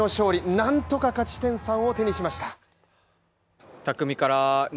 何とか勝ち点３を手にしました。